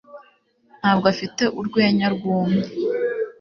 Ntabwo afite urwenya rwumye.